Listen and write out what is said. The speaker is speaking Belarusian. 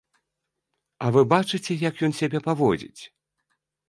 А вы бачыце, як ён сябе паводзіць?